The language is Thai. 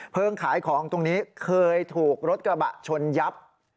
ขายของตรงนี้เคยถูกรถกระบะชนยับ